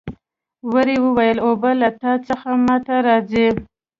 وري وویل اوبه له تا څخه ما ته راځي.